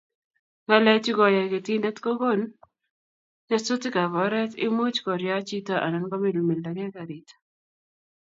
Ngalechu koyai ketitendet kokon nyasutikab oret imuch koriach chito anan komilmildakei garit